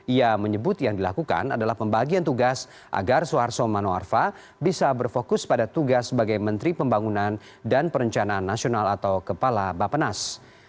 ia menyebut yang dilakukan adalah pembagian tugas agar soeharto manoarfa bisa berfokus pada tugas sebagai menteri pembangunan dan perencanaan nasional atau kepala bapenas